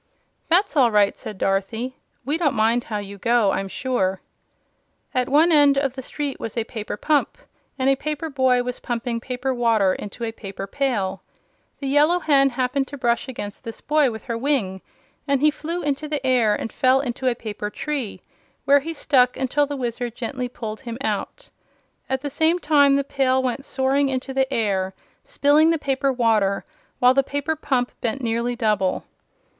"That's all right," said Dorothy. "We don't mind how you go, I'm sure." At one side of the street was a paper pump, and a paper boy was pumping paper water into a paper pail. The Yellow Hen happened to brush against this boy with her wing, and he flew into the air and fell into a paper tree, where he stuck until the Wizard gently pulled him out. At the same time, the pail went into the air, spilling the paper water, while the paper pump bent nearly double.